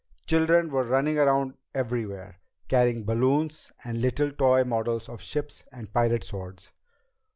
Children were running around everywhere, carrying balloons and little toy models of ships and pirate swords.